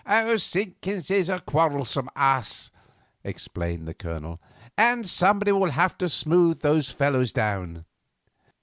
"Simpkins is a quarrelsome ass," explained the Colonel, "and somebody will have to smooth those fellows down.